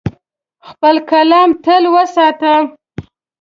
خپل قلم تل وساته.